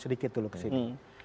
sedikit dulu kesini